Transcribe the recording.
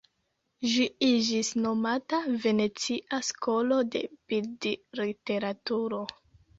Ĝi iĝis nomata "venecia skolo de bildliteraturo".